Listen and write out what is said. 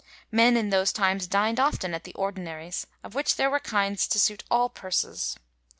'^ Men, in those times, dined often at the ' ordinaries,' of which there were kinds to suit all purses.